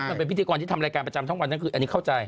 มันเป็นพิธีกรที่ทำรายการประจำทั้งวันทั้งคืนอันนี้เข้าใจ